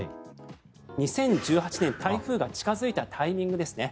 ２０１８年、台風が近付いたタイミングですね。